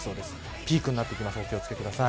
ピークになってくるのでお気を付けください。